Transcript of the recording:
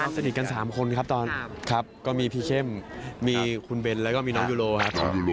สนิทกัน๓คนครับตอนครับก็มีพีเข้มมีคุณเบนแล้วก็มีน้องยูโรครับ